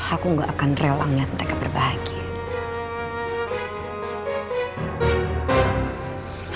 aku gak akan rela melihat mereka berbahagia